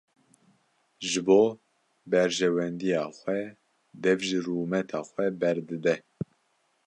Ji bo berjewendiya xwe dev ji rûmeta xwe berdide.